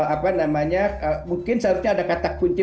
apa namanya mungkin seharusnya ada kata kunci